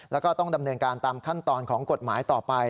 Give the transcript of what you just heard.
แล้วก็ต้องดำเนินการตามขั้นตอนของกฎหมายต่อไป